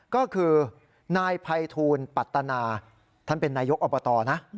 ก็คือนายภัยทูลปัตตนาท่านเป็นนายกอบตนะ